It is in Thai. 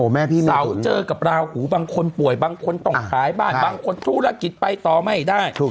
พี่สาวเจอกับราหูบางคนป่วยบางคนต้องขายบ้านบางคนธุรกิจไปต่อไม่ได้